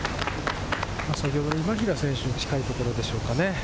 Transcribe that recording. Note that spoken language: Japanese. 今平選手に近いところでしょうかね？